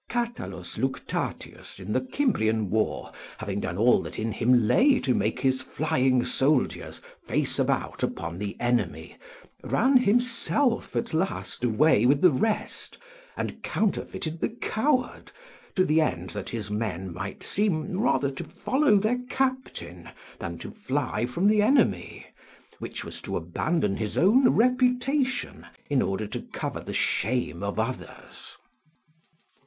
Catulus Luctatius in the Cimbrian war, having done all that in him lay to make his flying soldiers face about upon the enemy, ran himself at last away with the rest, and counterfeited the coward, to the end his men might rather seem to follow their captain than to fly from the enemy; which was to abandon his own reputation in order to cover the shame of others.